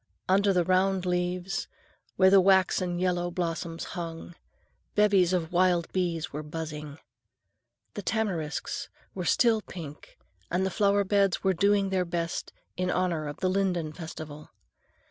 Under the round leaves, where the waxen yellow blossoms hung, bevies of wild bees were buzzing. The tamarisks were still pink, and the flower beds were doing their best in honor of the linden festival.